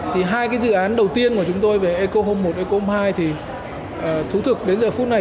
thì hai cái dự án đầu tiên của chúng tôi về eco home một eco home hai thì thú thực đến giờ phút này